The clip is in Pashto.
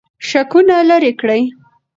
شکونه لرې کړئ.